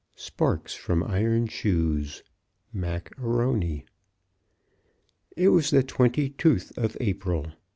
Sparks from Iron Shoes Mac A'Rony. It was the twenty tooth of April.